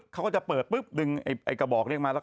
เค้าก็จะเปิดปุอบดึงไอกระบอกนี่มาแล้วก็